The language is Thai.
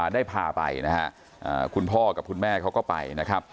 ได้พาไปคุณพ่อกับคุณแม่เขาก็ไป